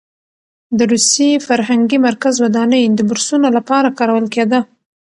د روسي فرهنګي مرکز ودانۍ د بورسونو لپاره کارول کېده.